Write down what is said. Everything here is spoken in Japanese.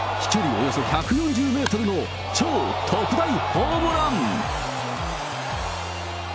およそ１４０メートルの超特大ホームラン。